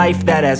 apa sih mas